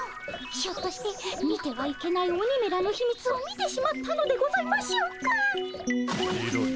ひょっとして見てはいけない鬼めらのひみつを見てしまったのでございましょうか？